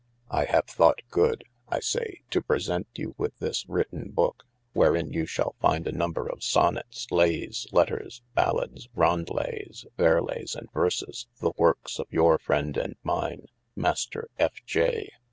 I have thought good (I say) to present you with this writte booke, wherein you shall find a number of Sonets, layes, letters, Ballades, Rondlets, verlayes and verses, the workes of your friend and myne Master F. J.